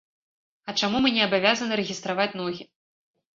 А чаму мы не абавязаны рэгістраваць ногі?